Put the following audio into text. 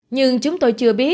nhưng chúng tôi chưa biết